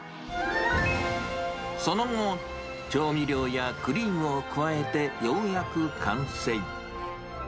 その後、調味料やクリームを加えて、ようやく完成。